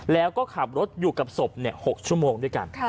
แล้วก็ขับรถอยู่กับศพ๖ชั่วโมงด้วยกัน